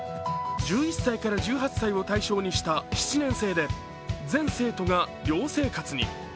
１１歳から１８歳を対象にした７年制で、全生徒が寮生活に。